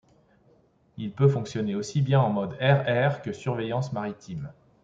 Il peut fonctionner aussi bien en mode air-air que surveillance maritime.